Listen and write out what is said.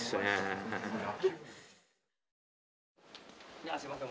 いやすみません。